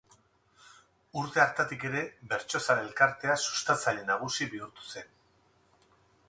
Urte hartatik ere Bertsozale Elkartea sustatzaile nagusi bihurtu zen.